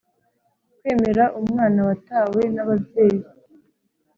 Kwemera umwana watawe n ababyeyi